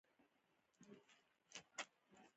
دوی د کورنۍ اقتصاد ته پام کوي.